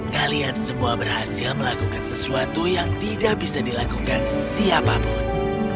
kalian semua berhasil melakukan sesuatu yang tidak bisa dilakukan siapapun